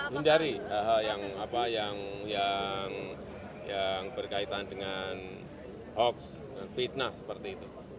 hindari hal hal yang berkaitan dengan hoax dan fitnah seperti itu